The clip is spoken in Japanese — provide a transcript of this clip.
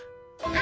あ。